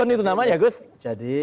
itu namanya gus jadi